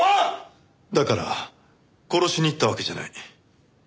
だから殺しに行ったわけじゃない。